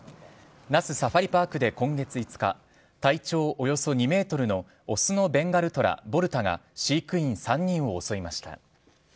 那須サファリパークで今月５日体長およそ２ｍの雄のベンガルトラ・ボルタが飼育員３人を襲いました。